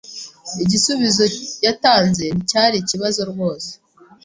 Igisubizo yatanze nticyari ikibazo rwose.